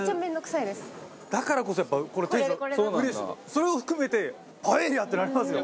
それを含めてパエリア！ってなりますよ。